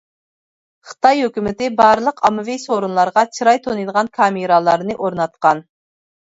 خىتاي ھۆكۈمىتى بارلىق ئاممىۋى سورۇنلارغا چىراي تونۇيدىغان كامېرالارنى ئورناتقان.